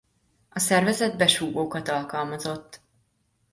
A szervezet besúgókat alkalmazott.